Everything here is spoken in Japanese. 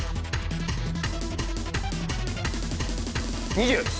２０。